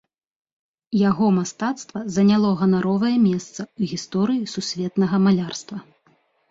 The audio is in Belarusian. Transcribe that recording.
Яго мастацтва заняло ганаровае месца ў гісторыі сусветнага малярства.